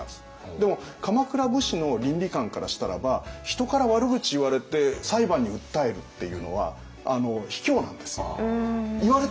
でも鎌倉武士の倫理観からしたらば人から悪口言われて裁判に訴えるっていうのは卑怯なんですよ。